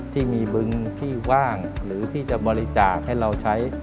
ที่มีบึงที่ว่างหรือที่จะบริจาคให้เราใช้